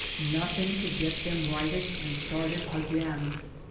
Nothing would get them righted and started again.